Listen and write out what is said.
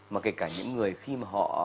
mà kể cả những người khi mà họ